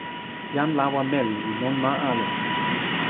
jan lawa meli li lon ma ale!